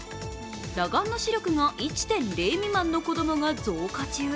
裸眼の視力が１．０未満の子供が増加中。